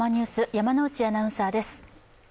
山内アナウンサーです。